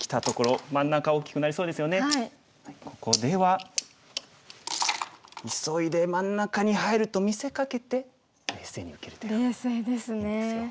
ここでは急いで真ん中に入ると見せかけて冷静に受ける手がいいんですよ。